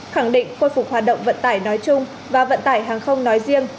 khẳng định khôi phục hoạt động vận tải nói chung và vận tải hàng không nói riêng